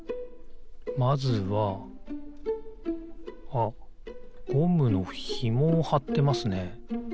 あっゴムのひもをはってますね。